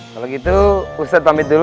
kalau gitu ustadz pamit dulu